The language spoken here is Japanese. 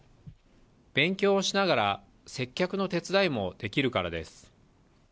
勉強をしながら接客の手伝いもできるからです。